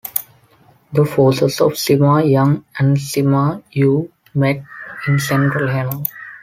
The forces of Sima Yong and Sima Yue met in central Henan.